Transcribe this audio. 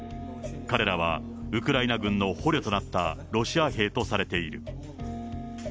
彼らはウクライナ軍の捕虜となったロシア兵とされている。